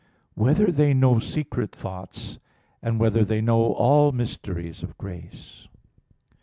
(4) Whether they know secret thoughts? (5) Whether they know all mysteries of grace?